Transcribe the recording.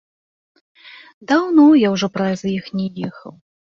Даўно я ўжо праз іх не ехаў.